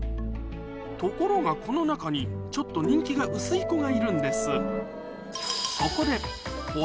ところがこの中にちょっと人気が薄い子がいるんです